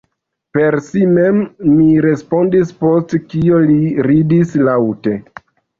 Per si mem, mi respondis, post kio li ridis laŭte.